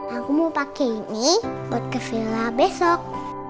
aku mau pakai ini buat ke villa besok